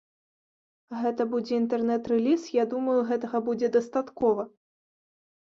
Гэта будзе інтэрнэт-рэліз, я думаю, гэтага будзе дастаткова.